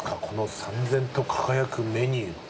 このさんぜんと輝くメニュー。